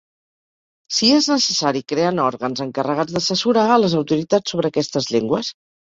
Si és necessari creant òrgans encarregats d'assessorar a les autoritats sobre aquestes llengües.